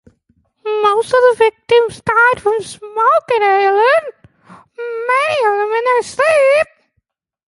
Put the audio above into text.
Most of the victims died from smoke inhalation, many of them in their sleep.